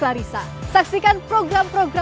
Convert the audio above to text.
belum ada pembicaraan ke sana juga